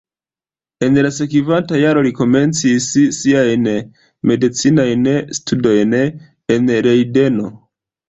En la sekvanta jaro li komencis siajn medicinajn studojn en Lejdeno.